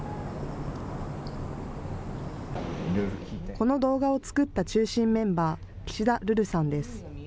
この動画を作った中心メンバー、岸田瑠々さんです。